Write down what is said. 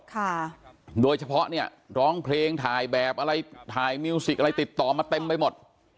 ค่ะโดยเฉพาะเนี่ยร้องเพลงถ่ายแบบอะไรถ่ายมิวสิกอะไรติดต่อมาเต็มไปหมด